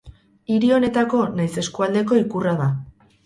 Hiri honetako nahiz eskualdeko ikurra da.